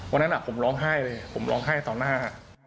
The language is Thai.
วันนั้นผมร้องไห้เลยผมร้องไห้ต่อหน้า